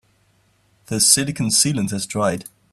The silicon sealant has dried.